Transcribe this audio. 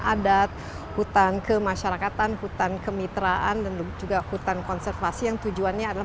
adat hutan kemasyarakatan hutan kemitraan dan juga hutan konservasi yang tujuannya adalah